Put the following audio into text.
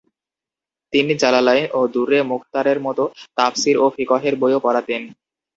তিনি জালালাইন ও দুররে মুখতারের মতো তাফসীর ও ফিকহের বইও পড়াতেন।